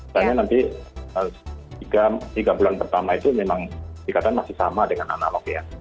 karena nanti tiga bulan pertama itu memang dikatakan masih sama dengan analog ya